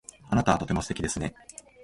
あなたはとても素敵ですね。